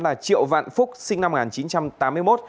là triệu vạn phúc sinh năm một nghìn chín trăm tám mươi một